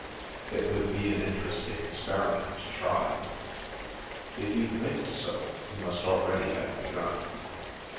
" It would be an interesting experiment to try." " If you think so, you must already have begun."